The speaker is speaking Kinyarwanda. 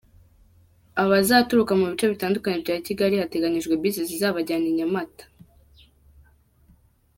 Abazaturuka mu bice bitandukanye bya Kigali, hateganyijwe Bus zizabajyana i Nyamata.